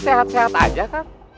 sehat sehat aja kan